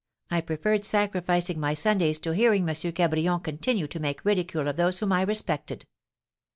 I preferred sacrificing my Sundays to hearing M. Cabrion continue to make ridicule of those whom I respected.